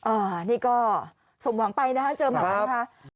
อ่านี่ก็สมหวังไปนะครับเจอมากันครับ